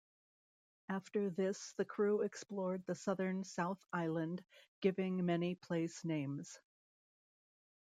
After this the crew explored the southern South Island giving many place names.